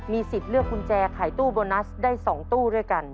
สิทธิ์เลือกกุญแจขายตู้โบนัสได้๒ตู้ด้วยกัน